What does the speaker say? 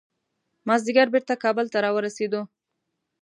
مازدیګر بیرته کابل ته راورسېدو.